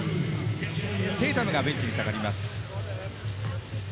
テイタムがベンチに下がります。